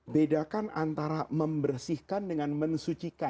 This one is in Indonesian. bedakan antara membersihkan dengan mensucikan